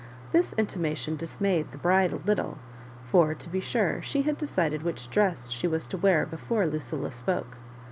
This intimation dismayed the bride a little ; for, to be sure, she had decided which dress she was to wear before Lucilla spoko.